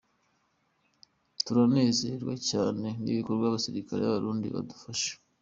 "Turanezerezwa cane n'ibikorwa abasirikare b'abarundi badufasha.